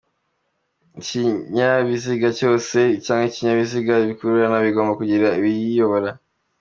Ikinyabiziga cyose cg ibinyabiziga bikururana bigomba kugira ubiyobora.